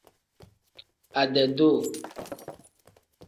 Ade-duu.